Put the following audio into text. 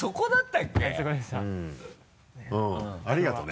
ありがとね。